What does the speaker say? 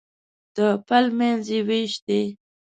د پل منځ یې وېش دی.